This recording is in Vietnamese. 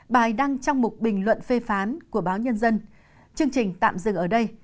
bài đăng trong một bình luận phê phán của báo nhân dân chương trình tạm dừng ở đây